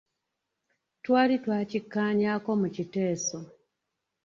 Twali twakikkaanyaako mu kiteeso.